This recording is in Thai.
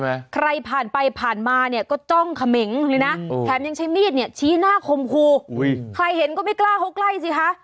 เบิร์ตลมเสียโอ้โหเบิร์ตลมเสียโอ้โหเบิร์ตลมเสียโอ้โหเบิร์ตลมเสียโอ้โห